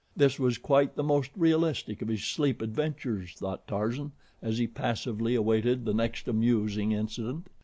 This was quite the most realistic of his sleep adventures, thought Tarzan, as he passively awaited the next amusing incident.